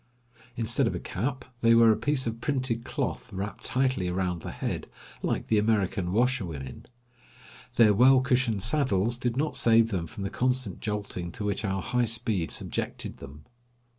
Instead of a cap, they wear a piece of printed cloth wrapped tightly around the head, like the American washerwomen. Their well cushioned saddles did not save them from the constant jolting to which our high speed subjected them.